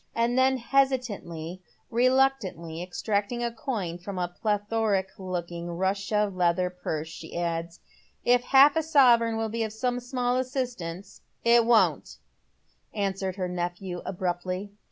And then, hesitatingly, reluctantly extracting a coin from a plethoric looking Russia leather purse, she adds, " If half a sovereign will be of som* Bmall assistance "" It won't," answered her nephew, abruptly.